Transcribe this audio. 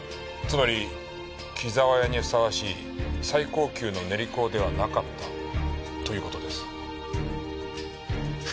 つまり紀澤屋にふさわしい最高級の練香ではなかったという事です。